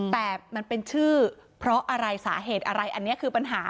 แต่มันเป็นชื่อเพราะอะไรสาเหตุอะไรอันนี้คือปัญหา